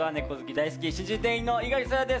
大好き、新人店員の猪狩蒼弥です